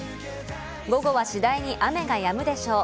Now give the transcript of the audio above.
午後は次第に雨がやむでしょう。